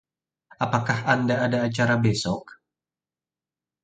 Apakah Anda ada acara besok?